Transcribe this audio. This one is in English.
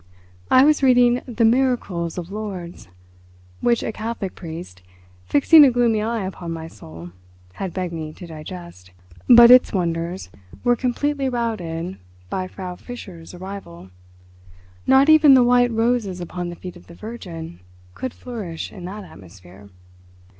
I was reading the "Miracles of Lourdes," which a Catholic priest—fixing a gloomy eye upon my soul—had begged me to digest; but its wonders were completely routed by Frau Fischer's arrival. Not even the white roses upon the feet of the Virgin could flourish in that atmosphere.